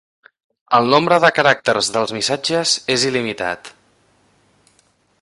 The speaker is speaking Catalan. El nombre de caràcters dels missatges és il·limitat.